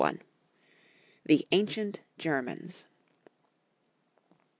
THE ANCIENT GEBMANS.